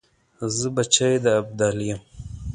زه بچی د ابدالي یم .